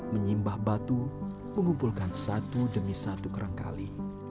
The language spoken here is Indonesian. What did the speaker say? menyimbah batu mengumpulkan satu demi satu kerang kali